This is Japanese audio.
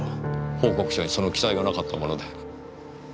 報告書にその記載がなかったもので。